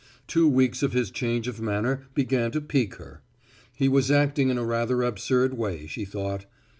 Two weeks of his change of manner began to pique her. He was acting in a rather absurd way, she thought.